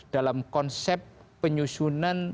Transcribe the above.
dalam konsep penyusunan